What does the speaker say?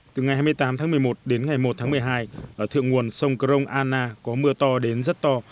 từ ngày hai mươi tám tháng một mươi một đến ngày một tháng một mươi hai ở thượng nguồn sông crong anna có mưa to đến rất to